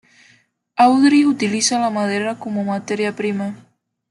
Audrey utiliza la madera como materia prima.